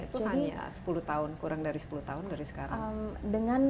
itu hanya sepuluh tahun kurang dari sepuluh tahun dari sekarang